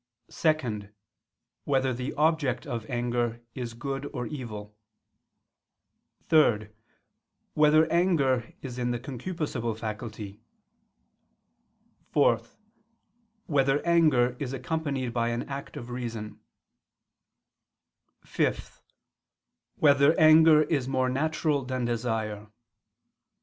(2) Whether the object of anger is good or evil? (3) Whether anger is in the concupiscible faculty? (4) Whether anger is accompanied by an act of reason? (5) Whether anger is more natural than desire?